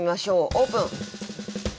オープン。